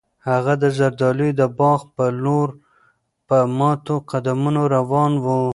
هغه د زردالیو د باغ په لور په ماتو قدمونو روان و.